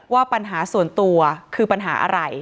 ว่าปัญหาส่วนตัวคือปัญหาอะไร